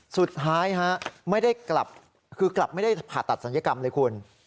สุดท้ายคือกลับไม่ได้ผ่าตัดศัลยกรรมเลยคุณ